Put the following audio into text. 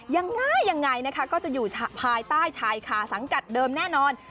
ยังไงยังไงนะคะก็จะอยู่ภายใต้ชายคาสังกัดเดิมแน่นอน